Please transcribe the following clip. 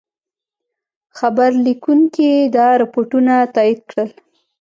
خبرلیکونکي دا رپوټونه تایید کړل.